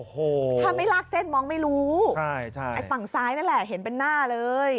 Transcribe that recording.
ฮาไม่ลากเส้นมองไม่รู้ฝั่งซ้ายนั่นแหละเห็นเป็นหน้าเลยใช่